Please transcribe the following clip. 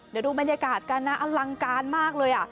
เดี๋ยวดูบรรยากาศกันนะอลังการมากเลย